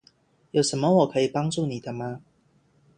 有什么我可以帮助你的吗？